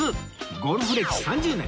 ゴルフ歴３０年